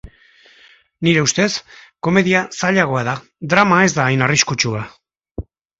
Nire ustez, komedia zailagoa da, drama ez da hain arriskutsua.